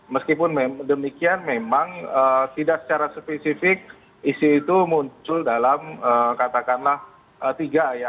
meskipun demikian memang tidak secara spesifik isu itu muncul dalam katakanlah tiga ya